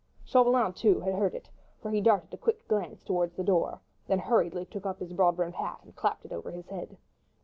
Chauvelin, too, had heard it, for he darted a quick glance towards the door, then hurriedly took up his broad brimmed hat and clapped it over his head.